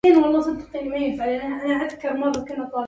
أي قدس يضم هذا البناء